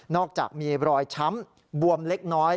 อกจากมีรอยช้ำบวมเล็กน้อย